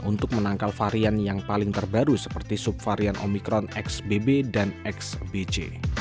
untuk menangkal varian yang paling terbaru seperti subvarian omikron xbb dan xbc